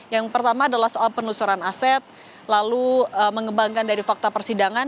yang pertama adalah soal penelusuran aset lalu mengembangkan dari fakta persidangan